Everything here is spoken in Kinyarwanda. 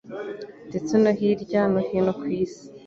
ndetse no hirya no hino ku Isi